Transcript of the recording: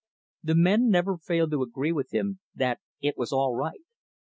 The men never failed to agree with him that it was all right.